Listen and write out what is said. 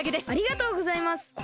ありがとうございます！